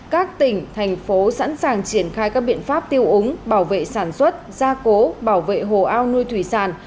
các tỉnh thành phố sẵn sàng triển khai các biện pháp tiêu úng bảo vệ sản xuất gia cố bảo vệ hồ ao nuôi thủy sản